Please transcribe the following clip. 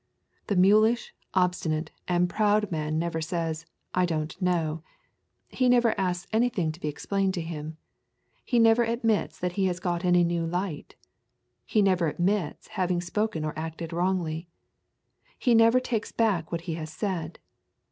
The mulish, obstinate, and proud man never says, I don't know. He never asks anything to be explained to him. He never admits that he has got any new light. He never admits having spoken or acted wrongly. He never takes back what he has said.